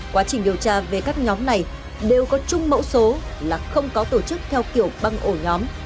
quá trình điều tra về các nhóm này đều có chung mẫu số là không có tổ chức theo kiểu băng ổ nhóm